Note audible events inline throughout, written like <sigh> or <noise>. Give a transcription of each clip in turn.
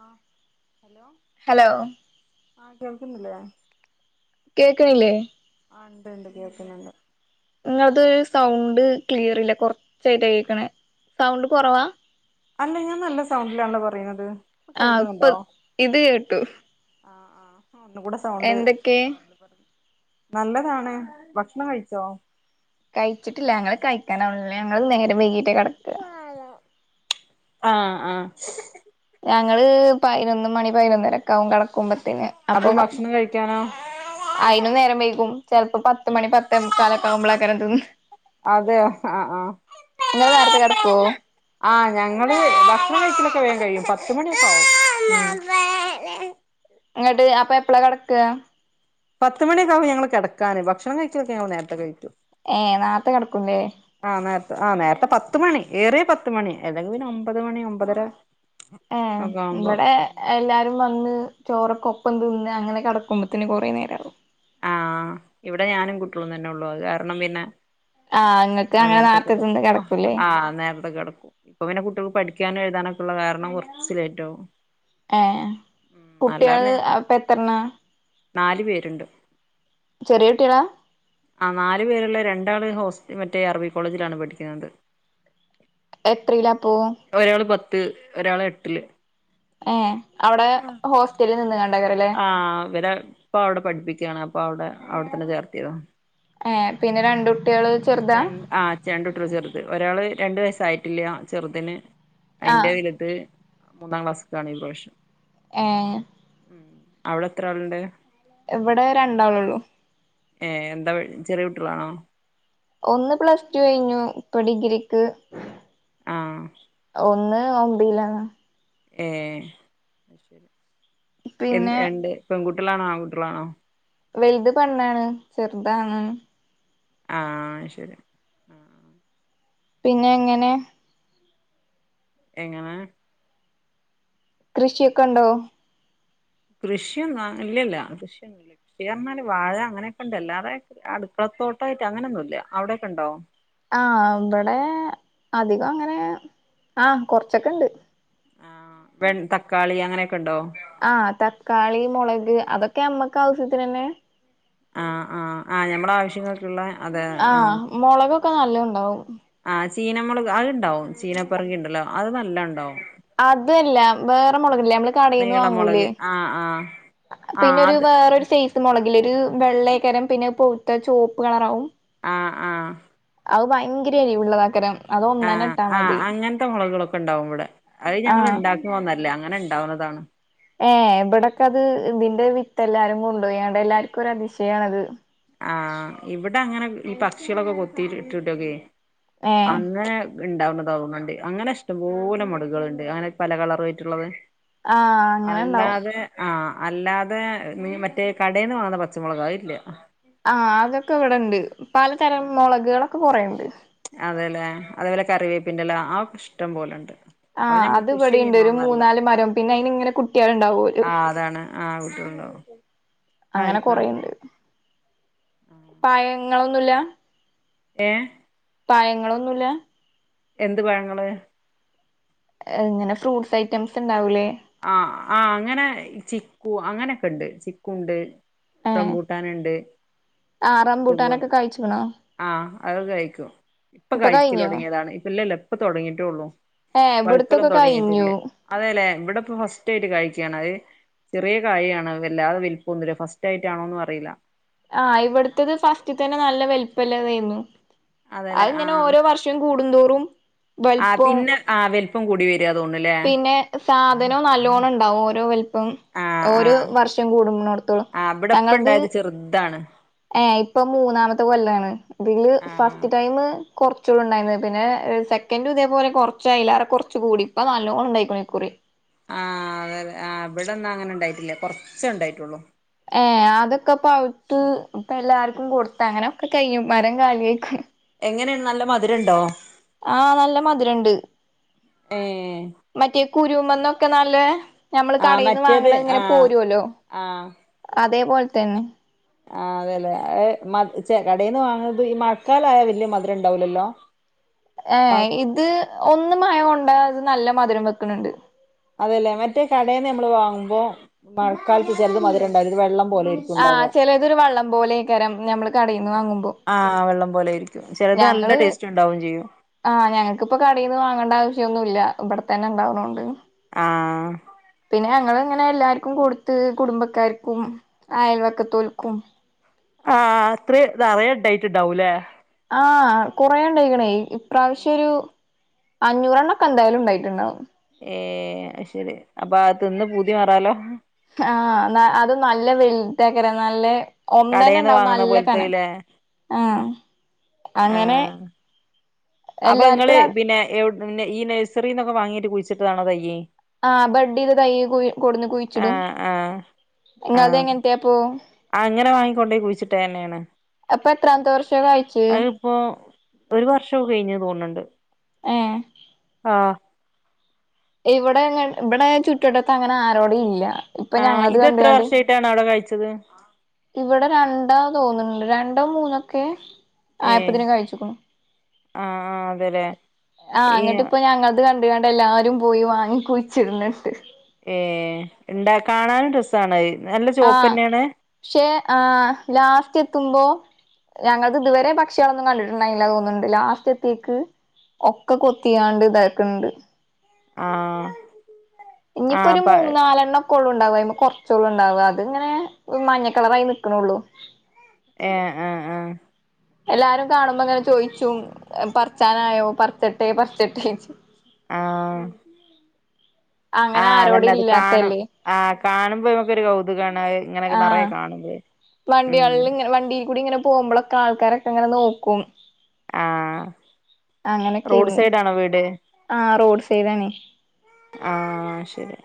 ആ hello hello ആ കേൾക്കുന്നില്ലേ കേൾക്കണല്ലേ ആ് ഉണ്ട് ഉണ്ട് കേൾക്കുന്നുണ്ട് ഇങ്ങോട്ട് സൗണ്ട് ക്ലിയർ ഇല്ല കൊറച്ചായിട്ട കേക്കണേ സൗണ്ട് കുറവാ അല്ല ഞാൻ നല്ല സൗണ്ടിലാണോ പറയുന്നത് ഇപ്പൊ ആ ഇപ്പൊ കേൾക്കുന്നുണ്ടോ ഇത് കേട്ടു ആ ഒന്ന കൂടെ സൗണ്ട് എന്തൊക്കെ നല്ലതാണ് ഭക്ഷണം കഴിച്ചോ കഴിച്ചിട്ടില്ല ഞങ്ങള് കഴിക്കാനാള്ള ഞങ്ങള് നേരെ വൈകിട്ട കി ആ ആ ഞങ്ങൾ പതിനൊന്ന് മണി പൈന്നര വും കിടക്കുമ്പത്തന് അപ്പൊ ഭക്ഷണം കഴിക്കാനോ അയിനും നനേരം വൈകും ചിലപ്പോ പത്ത് മണി പത്ത് മുക്കാലൊക്കെവുമ്പോളൊക്കെതിന്നണ് അതെ ആ ആ നിങ്ങള് നേരത്തെ കെടക്കുവോ ആ ഞങ്ങള് ഭക്ഷണ കഴിക്കലൊക്കെ വേഗം കഴിയും പോ <inaudible> ഇങ്ങട് അപ്പ എപ്പളാ കെടക്ക പത്ത് മണിയൊക്കാവും ഞങ്ങള് കിടക്കാന് ഭക്ഷണം കഴിക്കൊക്കെ ഞങ്ങള് നേരത്തെ കഴിക്കു ഏ നാർത്തെ കെടക്കും ല്ലെ ആ നേരത്തെ പത്ത്മണി ഏറിയ പത്ത്മണി അല്ലെങ്കിൽ പിന്നെ ഒമ്പത് മണി ഒമ്പതര ഏ ഒക്കെ ആവുമ്പോ ഇവിടെ എല്ലാരും വന്ന് ചോറൊക്കെ ഒപ്പം തിന്ന് അങ്ങനെ കടക്കുമ്പത്തിന് കൊറേ നേരാവും ആ ഇവിടെ ഞാനും കുട്യോളും തന്നെ ഉള്ളൂ അത് കാരണം പിന്നെ ആഹ് നിങ്ങക്ക് ഞങ്ങള് അങ്ങനെ നേരത്തെ നാർത്തെ കിടക്കും ത്തിന്ന് കെടക്കൂലേ ആഹ് നേരത്തെ ഇപ്പൊ പിനെ കുട്ട്യോൾക്ക് പഠിക്കാനും എഴുതാനൊക്കിള്ള കാരണം കുറച്ച് ലേറ്റാവും ഏ കുട്ടികൾ അപ്പ എത്രണ്ണ ന്നാല് പേരുണ്ട് ചെറിയ കുട്ട്യേള ആ നാലു പേരുള്ള രണ്ടാള് ഹോസ്റ്റ് മറ്റേ അറബി കോളേജിലാണ് പഠിക്കുന്നത് എത്രീലാപ്പോ ത്ത് ഒരാള് എട്ടില് ഏ അവിടെ ഹോസ്റ്റലിൽ നിന്ന് കാ ആ ഹ് ഇവരെ ഉപ്പ അവടെ പഠിപ്പിക്ക്യാണ് അപ്പൊ അവിടെ അവിടെത്തന്നെ ചേർത്തിയതാ ഏ പിന്നെ രണ്ടും രൻ ആ രണ്ടുട്ടിയേള് ചെറുത് ഒരാള് രണ്ടു വയസ്സായിട്ടില്ല്യാ ചെറുതിന് ആഹ് അയ്ന്റെ വലുത് മൂന്നാം ക്ലാസ്ക്കാണ് ഈ പ്രാവശ്യം ഏ ഹ് അവടെത്ര ആള്ണ്ട് ഇവടെ രണ്ടാളൊള്ളു ഏ എന്താ വെ ചെറിയകുട്ടികളാണോ ഒന്ന് പ്ലസ്റ്റു കഴിഞ്ഞു ഇപ്പൊ ഡിഗ്രിക്ക് ആഹ് ഒന്ന് ഒമ്പയിലാണ് ഏ എന്ത് പിന്നെ രണ്ട് പെൺകു ട്ടളാണോ ആൺകുട്ടേളാണോ വലുത് പെണ്ണാണ് ചെറുത് ആണാ ണ് ആഹ് ശരി പിന്നെ എങ്ങനെ എങ്ങനെ കൃഷിയൊക്കെ ഉണ്ടോ കൃഷിയൊന്നും ഇല്ലല്ല കൃഷിയൊന്നുല്ല കൃഷി പറഞ്ഞാല് വാഴ അങ്ങനെക്കെണ്ട് അല്ലാതെ അടുക്കളത്തോട്ടം ആയിട്ട് അങ്ങനെയൊന്നുല്ല അവിടെക്കെ ഉണ്ടോ ആഹ് ഇവടെ അധികം അങ്ങനെ ആഹ് കൊറച്ചൊക്കെ ഇണ്ട് ആ വെ തക്കാളി അങ്ങനെ ആഹ് തക്കാളി മുളക് അതൊ ക്കെ ഞമ്മക്ക് ആവ്സ്യത്തിന് നന്നെ ആഹ് ആഹ് ആഹ് ഞമ്മള ആവശ്യങ്ങൾക്കുള്ള ആഹ് മൊളകൊ ക്കെ നല്ലോം ണ്ടാവും ആഹ് ചീനമുളക് അത്ണ്ടാവും ചീനപ്പറങ്കി ഇണ്ടല്ലോ അത് നല്ല ഇണ്ടാവും അതല്ല വേറെ മുളക് ല്ലെ നമ്മള് കടയിൽന്ന് നീളമുളക് വാങ്ങൂലേ ആഹ് ആഹ് ആഹ് പിന്നെ ഒരു അത് വേറൊരു സൈസ് മൊളകില്ലൊരു വെള്ളേക്കാരം പിന്നെ പൊവുത്ത് ചോപ്പ് കളറാവും ആഹ് ആഹ് അവ് ഭയങ്കര എരിവുള്ളതാക്കരം അത് ഒന്നന്നെ ആഹ് ഇട്ടാ ആ മതി അങ്ങൻത്തെ മുളകേളൊക്കെ ഇണ്ടാവും ഇവിടെ അത് ഞങ്ങൾ ആഹ് ഉണ്ടാക്ക്ണതൊന്നല്ല അങ്ങനെ ഉണ്ടാവുന്നതാണ് ഏ ഇവിടക്കെ അത് ഇതിന്റെ വി ത്ത് എല്ലാരും കൊണ്ടുപോയാണ്ട് എല്ലാവർക്കും ഒരു അതിശയണത്. ആഹ ഇവിടെ അങ്ങനെ ഈ പക്ഷികളൊക്കെ കൊത്തിട്ടിടോക്കെ ഏഹ് അങ്ങനെ ഉണ്ടാവുന്നതകുന്നുണ്ട് അങ്ങനെ ഇഷ്ടംപോലെ മുളകുകൾ ണ്ട് അങ്ങനെ പല കളറ് ആയിട്ടുള്ളത് ആഹ അങ്ങനെ ഉണ്ടാവും. ആഹ് അല്ലാതെ ന മറ്റേ കടയിൽന്ന് വാങ്ങുന്ന പച്ചമുളക് അതു ഇല്ല. ആഹ അതൊക്കെ ഇവിടെണ്ട്. പലതരം മുളകുകളൊക്കെ കുറയുണ്ട്. അതെല്ലേ അതേപോലെ കറിവേപ്പിന്റെല്ലോ ആ ഇഷ്ടം പോലെുണ്ട്. ആഹ അത് ഇവിടെുണ്ട് ഒരു മൂന്നാല് മരം പിന്നെ അയിന് ഇങ്ങനെ കുട്ടികലുണ്ടാവോലോ. ആഹ് അതാണ് ആഹ് കുട്ടികളുണ്ടാവും അങ്ങനെ ആയിരിക്കാം കൊറെണ്ട് പയങ്ങ ങ്ങളൊന്നുല്ല ഏഹ പയങ്ങളൊന്നുല്ല എന്ത് പഴങ്ങള് ഇങ്ങനെ ഫ്രൂട്ട്സ് ഐറ്റംസ് ഉണ്ടാവൂലേ ആഹ ആ അങ്ങനെ ചിക്കു അങ്ങനെയൊക്കെ ഉണ്ട് ചിക്കുണ്ട് ഏഹ് റംമ്പൂട്ടാനിണ്ട്, ആഹ് അത്യേപോലെ റംബൂട്ടാനൊക്കെ കഴിച്ച്ക്ക്ണോ ആഹ് അത് കഴിക്ക്യും ഇപ്പൊ കഴിക്ക്യലൊടങ്ങിയതാണ് ഇപ്പല്ലെല്ല ഇപ്പ തൊടങ്ങീട്ടൊള്ളു ഏഹ് ഇവിടുത്തൊക്കെ പഴുക്കലൊന്നും കഴിഞ്ഞു തൊടങ്ങീട്ടില്ലേ അതേല്ലേ ഇവിടെ ദ്യാട്ട് കയിക്യാണഹ് ചെറിയ കായിയാണഹ് വല്ലാതെ വല്പൊന്നുല്ല ഫസ്റ്റായിട്ട് ആണോന്നും അറീല. ആ ഇവ്ട്ത്തത് ഫസ്റ്റിത്തെ തെന്നെ നല്ല വല്പ്ള്ളതേന്നു. അതെല്ലെ അഹ് ഇങ്ങനെ ആഹ് ഓരോ വർഷം കൂടുന്തോർ ഉം ആഹ് വല്പോം, പിന്നെ ആഹ് വലിപ്പം കൂടി വരിക തോന്നുന്നുല്ലേ പിന്നെ സാധനം നല്ലോണണ്ടാകും ഓരോ വല്പം ആഹ് ആഹ് ഓരോവർഷം കൂടുന്നട്ത്തോളം ആഹ് ഇവിടെ ഇപ്പ ഞങ്ങൾത് ഇണ്ടായത് ചെറുതാണ് ഏഹ് ഇപ്പം മൂന്നാമത്തെ കൊല്ലാണ് ഇതീൽ ആഹ് ഫസ്റ്റ് ടൈമ് കൊർച്ചൊള്ളൂ ണ്ടായീന്നെ പിന്നെ സെക്കന്റും ഇതേപോലെ കൊർച്ചേ അയിലാറെ കൊർച്ച് കൂടി ഇപ്പൊ നല്ലോണണ്ടായിക്ണ് ഇക്കുറി. ആ അതന്നെ ആ ഇബടെന്നാങ്ങനെ ഇണ്ടായിട്ടില്ല കൊർച്ചെ ഇണ്ടായിട്ടൊള്ളൂ ഏ ആദ് ഒക്കെ പൗത്ത് ഇപ്പെല്ലാർക്കും കൊട്ത്ത് അങ്ങനൊക്കെ കയിഞ്ഞു മരം കാല്യായിക്ണ്. ങ്ങനെള്ള് നല്ല മധുരണ്ടോ ആ നല്ല മധുരണ്ട് ഏഹ് മറ്റേ കുരൂമന്നൊക്കെ നല്ലേ ഞമ്മൾ ആഹ് കടേന്ന് മറ്റേത് വാങ്ങ്ണെ ഇങ്ങനെ ആഹ് പോരോലോ അത് ഇതേപോലെതെന്നെ ആ അതെയില്ലേ ഏ മ ച്ചെ കടേന്ന് വാങ്ങ്ണത് ഈ മഴക്കാലായാൽ വല്യ മധുരമുണ്ടാവില്ലല്ലോ ഏഹ് ഇത് ഒന്ന് അത് നല്ല മധുരം വെയ്ക്കണണ്ട് അതേയില്ലേ മറ്റേ കടേന്ന് നമ്മൾ വാങ്ങുമ്പോ മഴക്കാലത്ത് ചെലത് മധുരണ്ടാവില്ല ഇത് വെളളം ആ ചെലത് ഒരു വെള്ളം പോലേ ക്കാര ഞമ്മള് കടേന്ന് വാങ്ങുമ്പോ ആഹ് വെള്ളം പോലെ ആയിരിക്കും ചിലത് നല്ല ഞങ്ങള് ടേസ്റ്റ് ഉണ്ടാവും ചെയ്യും ആ ഞങ്ങക്കിപ്പോ കടേന്ന് വാങ്ങണ്ടാ - ഇതൊന്നുംയില്ല ഇവിടെതന്നെ ഇണ്ടാവ്ണോണ്ട് ആ... പിന്നെ ഞങ്ങളിങ്ങനെ എല്ലാരിക്കും കൊട്ത്ത് കുടുംബക്കാർക്കും അയൽവക്കത്തോൽക്കും- ആ അത്രേ നറേ <unintelligible> ഇണ്ടായിട്ടിണ്ടാവൂലെ ആഹ് കുറേ ഇണ്ടായിക്ക്ണേ ഇപ്രാവശ്യ ഒരു ഏഹ് അഞ്ഞൂറെണ്ണ ഒക്കെ എന്തായാലും ഉണ്ടായിട്ടുണ്ടാവും ഏ അ ശരി അപ്പൊ അത് തിന്ന് പൂതി മാറാലോ ആഹ് ന്നാ അതും നല്ല വെല്താക്കാരം നല്ലെ കടേന്ന് ഒന്നന്നെണ്ടാവും വാങ്ങുന്ന നല്ല കനം പോലത്തെല്ലേ ആഹ് ആ അങ്ങനെ അപ്പൊ എല്ലാർക്കും ഇങ്ങള് ഒരു പിന്നെ എവിട് പിന്നെ ഈ നഴ്സറീന്നൊക്കെ വാങ്ങീട്ട് കുയിച്ചിട്ടതാണോ തയ്യ് ആഹ ബെഡെയ്ത തൈ കുയി കൊട്ന്ന് ആ കുഴിച്ചിടും ആ ഇങ്ങൾത് എങ്ങൻത്ത്യോപ്പൊ ആങ്ങനെ വാങ്ങിക്കൊണ്ടെയ് കുഴിച്ചിട്ടേന്നേയാണ് അപ്പൊ എത്രാമതെ വർഷാ കായിച്ചേ ഒരു വർഷം കയിഞ്ഞ് തോന്ന്ണ്ട് ഏ ആ ഇവിടെങ്ങ് ഇവടെ ചുറ്റട്ടത്ത്അങ്ങനെ ആരോട് ഇല്ല. ഇപ്പൊ ആ ഞങ്ങളത് ഇത് കണ്ട് എത്ര കണ്ട് വർഷായിട്ടാണ് അവിടെ കഴി ത് ഇവിടെ രണ്ടാതൊന്ന്ണ്ട് രണ്ടോ മുന്നോക്കെ ആയപ്പത്തിന് കയിച്ചിക്ണു അ ആ അതെല്ലേ ആ ഈ ആങ്ങട്ട്പ്പംഞങ്ങൾത് ക ണ്ട് കണ്ടെല്ലാരും പോയി വാങ്ങി കുഴിച്ചിട്ണ്ണ്ട് ഏ ഇണ്ടാ കാണാനും രസാണത് ആ ശേ അ ലാ <unintelligible> ത്തുമ്പോ ങ്ങൾ ഇത് വരെ പക്ഷി ളൊന്നു കണ്ടിട്ടിണ്ടായി ലാ തോന്ന്ണ്ട് ലാസ്റ്റത്തെക്ക്ഒക്കെ കൊത്യാണ്ട് താക്ക്ണ്ട് ആ ആ ഞ്ഞിപ്പൊരു പ മൂന്നാലണ്ണോക്കൊ ണ്ടാവും അയ്മ കൊർ ചേള്ളു ണ്ടാവ അതിങ്ങ മഞ്ഞക്കളറായി നി കാണുള്ളൂ ഏ അ അ എല്ലാരും കാണുമ്പങ്ങനെ ചോയ്ച്ചും പർച്ചാനായോ പർച്ച ട്ടേ പർച്ചട്ടെ ചേച്ചി ആ ആ അങ്ങനെ അതെന്നെ ആരോടും അത് കാണും ഇല്ലാത്തല്ലേ ആ കാണുമ്പംഇവർക്കൊരു കൗതുകാണ് ഇങ്ങനെ നെറെ ആഹ് കാണുമ്പോ ഉം പോമ്പളക്കെ ആൾക്കാരൊക്കെ ഇങ്ങനെ നോക്കും ആ റോഡ് അങ്ങനെക്കെന് സൈഡ് ആണോ വീട് ആ റോഡ് സൈഡാണ് ആ ശരി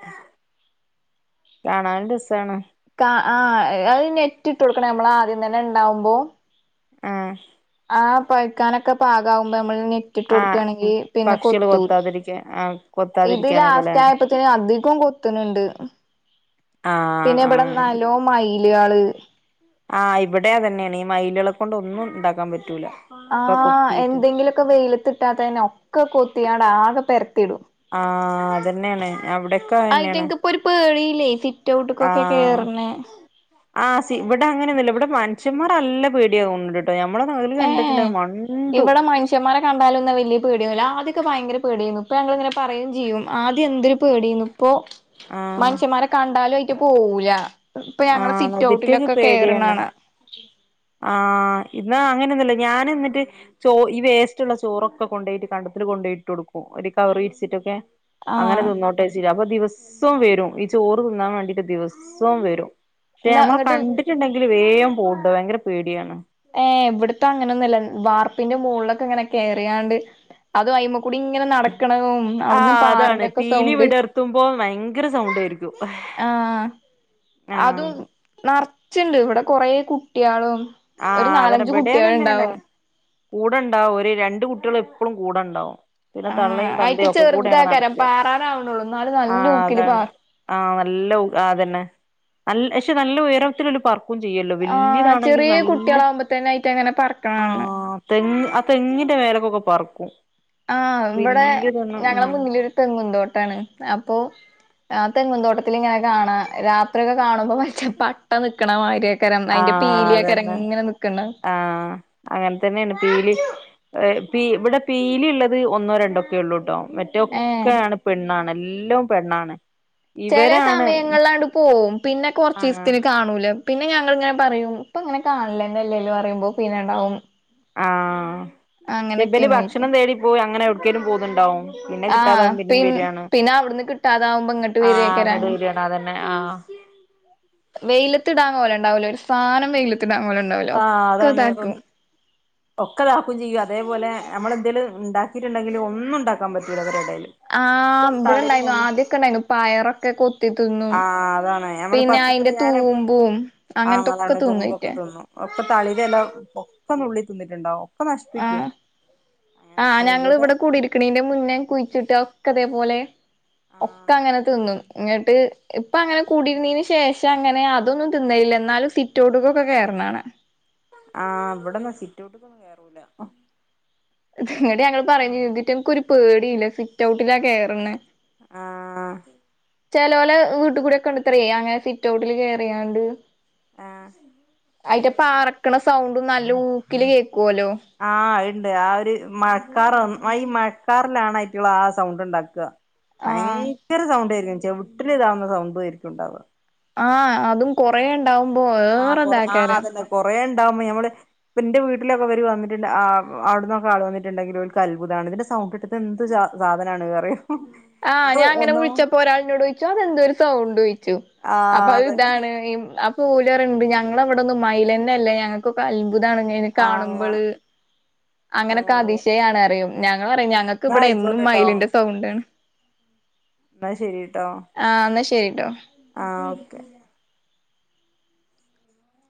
കാണാനും രസാണ് ക്കാ ആഅഹ് നെറ്റ റ്റ് ഇട്ട് കൊട്ക്കണം നമ്മള് ആദ്യം തന്നെ ണ്ടാവുമ്പോ ആ ആ പവ്ക്കാനൊക്കെ പാകാവു മ്പോ മ്മള് നെറ്റ് ആ കൊടുക്കുകയാണെങ്കിൽ പിന്നെ പക്ഷികള് കൊത്തൂല കൊത്താതിരിക്കാൻ ആ ഇത് കൊത്താതിരിക്കാനൊക്കെല്ലേ ലാസ്റ്റ് ആയപ്പോത്തിന് അധിക് ഇപ്പോ കൊത്ത് ണ്ണ്ട് ആ പിന്നെ ആ ഇബടെ നല്ലോം മയി ലിയാള് ആ ഇവിടെ അതെന്നെയാണ് മയിലെളെ കൊണ്ട് ഒന്നുംണ്ടാക്കാൻ പറ്റൂല്ല ആ എന്തെങ്കിലുമൊക്കെ വെയിലത്തിട്ടാത്ത തന്നെ ഒക്കെ കൊത് ടാ ആക പെർക് ആഹ അതന്നെയാണ് അവിടെയൊക്കെ തന്നെയാണ് ല്ലേ ഫി ആഹ ആ ഇവിടെ അങ്ങനെന്നല്ല ഇവിടെ വൻ അച്ഛ്മാർ നല്ല പേടിയാവണ്ട് ഞമ്മടെ നകല് കണ്ടിട്ടുണ്ട ഏഹ് മണ്ടു പ ആദ്യൊക്കെ ഭയങ്കര പേടിയാരുന്നു ഇപ്പ ഞങ്ങൾങ്ങനെ പറയും ചെയ്യും ആദ്യം എന്തൊരു പേടി ആന്നു ഇപ്പോ ആഹ് മനുഷ്യമാരെ കണ്ടാലും പോഉല ആഹ അതൊക്കെ ഒരു പേടിയാണ് കാണാ ആഹ ഇന്ന് അങ്ങനെയൊന്നുമല്ല ഞാൻ എന്നിട്ട് ചോ ഈ വേസ്റ്റുള്ള ചോറൊക്കെ കൊണ്ട ഒയിട്ട് കണ്ടത്തിൽ കൊണ്ടോയിട്ട് കൊടുക്കും ഒരു കവറി വിരിച്ചിട്ടൊക്കെ അങ്ങനെ ആഹ് തിന്നോട്ടേച്ചിട്ട് അപ്പ ദിവസവും വരും ഈ ചോറ് തിന്നാൻ വേണ്ടിട്ട് ദിവസവും വരും പക്ഷെ എന്നാ നമ്മെ ഇങ്ങട്ട് കണ്ടിട്ടുണ്ടെങ്കി എ വേഗം പോണ്ട് ഭയങ്കര പേടിയാണ് ഏ ഇവിടത്തെ അങ്ങനൊന്നുംല്ല വാർ പിന്റെ മുകളിലൊക്കെ ഇങ്ങനെ കയറിയാണ്ട് അത് അയിമേ കൂടി ഇങ്ങനെ നട ആ അതാണ് പീലി വിടർത്തുമ്പോ ഭയങ്കര സൗണ്ടായിരിക്കും ആ ആഹ് അതും നർച് ണ്ട് ഇവിടെ കൊറേ കുട്ടിയളും ഒരു നാലഞ്ച് കുട്ടികൾ ഉണ്ടാവും കൂടെ ഉണ്ടാവും ഒരു രണ്ട് കുട്ടികൾ എപ്പോഴും കൂടെ ഉണ്ടാവും പിന്നെ ആഹ് തള്ളയും അയിറ്റ് തന്തയും ഒക്കെ കൂടെയാണ് ചെറുതാക്കാരം നടക്ക പാറാനാവണള്ളൂ എന്നാലും ആഹ നല്ല ഊക്കില് അതാണ് പാറും ആഹ നല്ല അതന്നെ നല്ല് പക്ഷെ നല്ല ഉയരത്തിലൊരു പറ ക്കും ചെയ്യുല്ലോ ആഹ് വല്ല്യതാണെങ്കി ചെറിയ നല്ല കുട്ടികളാകുമ്പോ തന്നെ ആയിട്ട് അങ്ങനെ പറക്കണ ആ കാണണം തെങ്ങ് ആ തെങ്ങിന്റെ വേലക്കൊക്കെ പറ ക്കും ആ ഇവിടെ ഞങ്ങടെ മുന്നിലൊരു തെങ്ങും തൊട്ടാണ് അപ്പൊ ആ തെങ്ങുതോട്ടത്തിലിങ്ങനെ കാണാ രാത്രിയൊക്കെ കാണുമ്പോ വല്ല്യ പട്ട നിക്കണ മാതിരി ആ അതന്നെ ആ അങ്ങനെ തന്നെയാണ് പീലി അ പി ഇവിടെ പീലയൊള്ളത് ഒന്നോ രണ്ടൊക്കെ ഉള്ളൂട്ടോ ഏഹ് മറ്റൊക്കെയാണ് പെണ്ണാണ് എല്ലോം പെണ്ണാണ് ചെല ഇവരാണ് സമയങ്ങളിലാണ്ട് പോവും പിന്നെ ആഹ് കൊർച്ചീസത്തിന് കാണൂല പിന്നെ ഞങ്ങള്ങ്ങനെ പറയും ഇപ്പ ഇങ്ങനെ കാണാലെന്നെല്ലെല്ലോ പറയുമ്പോ പിന്നെ ഇണ്ടാവും ആ ഇബല് പോയിട്ട് ഭക്ഷണം തേടിപ്പോയി അങ്ങനെ ക്കെലും പോവ്ന്ന്ണ്ടാവും ആ പിൻ പിന്നെ അവിട്‌ന്ന് കിട്ടാതാവുമ്പ ഇങ്ങട്ട് വരക്കെ അങ്ങ ആ വെയിലത്ത്ടാൻ പോലെണ്ടാവൂല ഒരു സാനം വെയില് ത്ത്ടാൻ പോലുണ്ടാവൂല ഒക്കെ ഇതാക്കും ഒക്കതാക്കും ചെയ്യും അതെപ്പോലെ നമ്മളെന്തേല് ഇണ്ടാക്കിട്ട്ണ്ടെങ്കില് ഒന്നു ഇണ്ടാക്കാൻ പറ്റൂല്ല ഇവരെടെൽ ആ ഇബ്ടണ്ടായിനു ആദ്യൊക്കെ ഇണ്ടായിനു പയറൊക്കെ കൊത്തി തിന്നും ആ അതാണ് ഞമ്മള് പിന്നെ പച്ചക്കറി അയിന്റെ ഞാന് പ്പ തൂമ്പും ആ അങ്ങനത്തൊക്കെ അതാണ് തുമ്പൊക്കെ തിന്നേറ്റെ തിന്നും ഇപ്പ തളിരെല ഒക്ക നുള്ളി തിന്ന്ട്ട്ണ്ടാവും ആ ആ ഇവിടെ ഞങ്ങള്വ്ടെ കുടിര്ക്ക്നെന്റെ മുന്നെ കുഴിച്ചിട്ടൊ ക്കതെ പോലെ ഒക്ക ആഹ് അങ്ങനെ തിന്നും ഇങ്ങട്ട് ഇപ്പ അങ്ങനെ കൂടിര്ന്നെന് ശേഷം അങ്ങനെ അതൊന്നും തിന്നയില്ല എന്നാലും സിറ്റോട്ട്ക്കൊ ക്കെ കേറ്ണാണ ആ ഇവിടെന്നാ സിറ്റൗട്ട്ക്കെന്നും കേറൂല. ഇങ്ങട്ട് ഞങ്ങള് പറഞ്ഞ് ആഹ് ഇതിറ്റെൻക്കൊര് പേ ഇല്ല സിറ്റൗട്ട്ലാ കേറ്ണെ. ആ ചേലോലെ വീട്ട്കൂടെക്കെണ്ട്ത്രെ അങ്ങനെ സിറ്റൗട്ട്ല് കേറിയാണ്ട് ആഹ് അയിറ്റ പാറക്ക്‌ണ സൗ ട്ട് നല്ലൂക്ക്‌ല് ആ ഇണ്ട് ആ ഒര് മഴക്കാറൊ <unintelligible> മഴക്കാറ്ലാണ് അയ്റ്റള് ആ സൗണ്ട് ഇണ്ടാക്ക് ആഹ് ഭയങ്കര സൗണ്ടെനു ചെവിട്ട്ല് ഇതാവ്ന്ന സൗണ്ട്ഏര്ക്കു ഇണ്ടാവ് ആ അതും കൊറെ ണ്ടാവുമ്പ ഏറെ ഇതാക്കെരം ണ്ടാവ്മ്പ നമ്മള് ഇപ്പ ന്റെ വീട്ടിലൊക്കെ ഇവര് വന്നിട്ട്ണ്ട് ആ അവ്ട്ന്നൊക്കെ ആൾ വന്നിട്ട്ണ്ടെങ്കില് ഓൽക്ക് അത്ഭുതാണ് ഇതിന്റെ സൗണ്ടെട്ട് തെന്ത് ജാ സാധനാണ്റിം ആ ഞാങ്ങനെ വിള്ച്ചപ്പ ഒരാൾന്നോടൊയ്ച്ച് അതെന്തെര് സൗണ്ടോയ്ച്ചു അപ്പ ആഹ് അഹ് അതന്നെ ഇതാണ് മ് അ കൂലറ്ണ്ട് ഞങ്ങളവ്ടൊന്നു മയിലെന്നെ ഇല്ല ഞങ്ങക്കൊക്കെ അത്ഭു ഭുതാണ് ഇഞ്ഞയിനെ കാണ് ആഹ് മ്പള് അങ്ങനെക്കെ അങ്ങനെ അതിശയാണെറിയും ഞ പറ ഞങ്ങക്ക് എന്നാ ഇവിടെ എന്നും ആയിക്കോട്ടെട്ടോ മൈലിന്റെ സൗണ്ട്ണ് എന്നാ ശരി ആ എന്നാ ശരിട്ടോ ക <inaudible> <unintelligible>